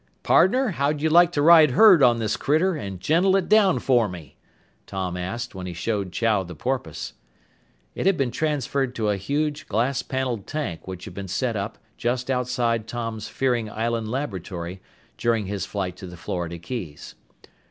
"Pardner, how'd you like to ride herd on this critter and gentle it down for me?" Tom asked, when he showed Chow the porpoise. It had been transferred to a huge, glass paneled tank which had been set up just outside Tom's Fearing Island laboratory during his flight to the Florida Keys.